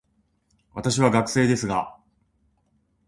私は学生ですが、